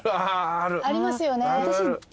ありますよね。